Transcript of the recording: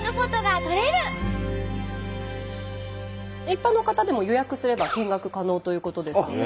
一般の方でも予約すれば見学可能ということですので。